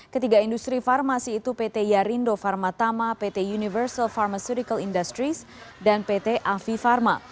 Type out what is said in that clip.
ketiga industri farmasi itu pt yarindo pharma tama pt universal pharmaceutical industries dan pt afi pharma